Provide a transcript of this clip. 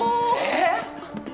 えっ！？